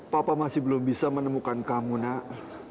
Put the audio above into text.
papa masih belum bisa menemukan kamu nak